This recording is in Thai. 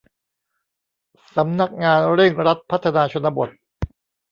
สำนักงานเร่งรัดพัฒนาชนบท